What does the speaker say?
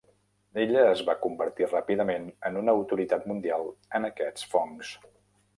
Ella es va convertir ràpidament en una autoritat mundial en aquests fongs.